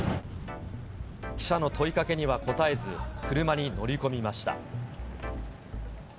記者の問いかけには答えず、車に乗り込みました。